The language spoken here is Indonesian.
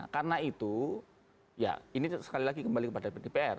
karena itu ya ini sekali lagi kembali kepada dpr